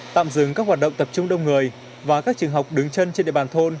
tạm dừng các hoạt động tập trung đông người và các trường học đứng chân trên địa bàn thôn